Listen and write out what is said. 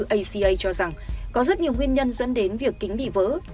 aca cho rằng có rất nhiều nguyên nhân dẫn đến việc kính bị vỡ